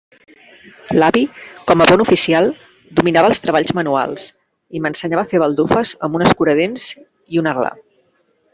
L'avi com a bon oficial, dominava els treballs manuals, i m'ensenyava a fer baldufes amb un escuradents i una gla.